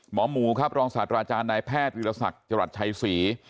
หมอหมูครับรองศาสตราจารย์นายแพทย์วิรสักจรัสชัยศรี